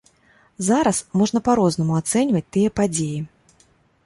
Зараз можна па-рознаму ацэньваць тыя падзеі.